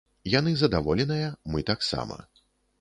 Яны задаволеныя, мы таксама.